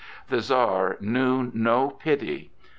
The Czar knew no pity.